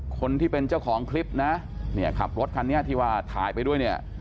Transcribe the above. คนที่เป็นเจ้าของคลิปนะเนี่ยขับรถคันนี้ที่ว่าถ่ายไปด้วยเนี่ย